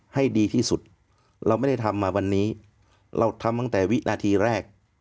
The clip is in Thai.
ให้ดีที่สุดเราไม่ได้ทำมาวันนี้เราทำตั้งแต่วินาทีแรก